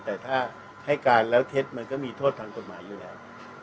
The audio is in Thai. แต่ถ้าให้การแล้วเท็จมันก็มีโทษทางกฎหมายอยู่แล้ว